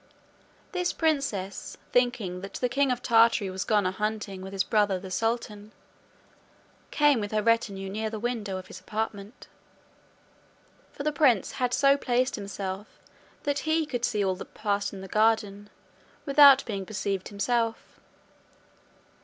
This princess thinking that the king of Tartary was gone a hunting with his brother the sultan, came with her retinue near the windows of his apartment. For the prince had so placed himself that he could see all that passed in the garden without being perceived himself.